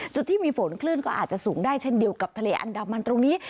จุดที่มีฝนคลื่นก็อาจจะสูงได้เช่นเดียวกับทะเลอันดามันตรงนี้